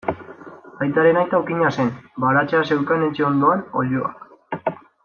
Aitaren aita okina zen, baratzea zeukan etxe ondoan, oiloak.